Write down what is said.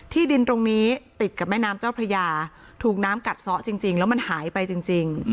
ดินตรงนี้ติดกับแม่น้ำเจ้าพระยาถูกน้ำกัดซ้อจริงแล้วมันหายไปจริง